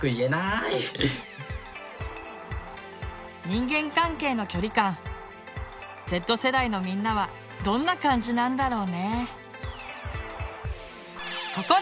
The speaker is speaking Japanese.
人間関係の距離感Ｚ世代のみんなはどんな感じなんだろうね。